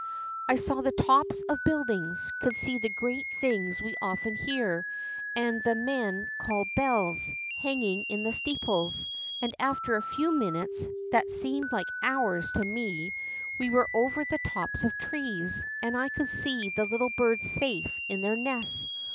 I saw the tops of buildings, could see the great things we often hear, and that men call ^ bells ^ hanging in the steeples, and after a few minutes that seemed like hours to me, we were over the tops of trees, and I could see the little birds safe in their nests.